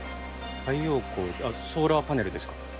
太陽光ソーラーパネルですか？